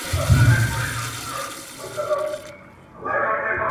نوي نوي غزل راوړه د ژوندون له رنګینیو,